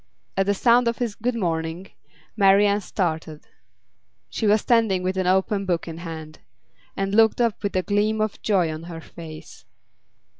At the sound of his 'Good morning,' Marian started she was standing with an open book in hand and looked up with a gleam of joy on her face.